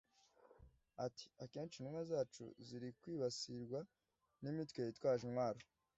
Ati ‘‘Akenshi intumwa zacu ziri kwibasirwa n’imitwe yitwaje intwaro